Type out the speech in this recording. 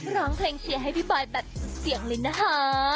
ร้องเพลงเชียร์ให้พี่บอยแบบเสียงลิ้นนะฮะ